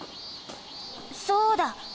そうだ！